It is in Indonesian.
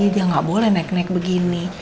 dia nggak boleh naik naik begini